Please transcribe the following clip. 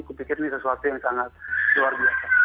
saya pikir ini sesuatu yang sangat luar biasa